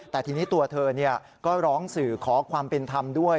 แต่ทีนี้ตัวเธอก็ร้องสื่อขอความเป็นธรรมด้วย